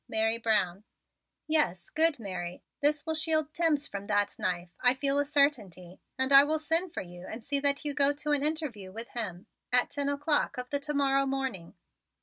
Mary Brown" "Yes, good Mary, this will shield Timms from that knife, I feel a certainty, and I will send for you and see that you go to an interview with him at ten o'clock of the to morrow morning.